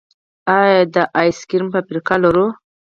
آیا د آیس کریم فابریکې لرو؟